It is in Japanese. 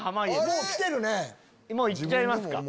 もう行っちゃいますか？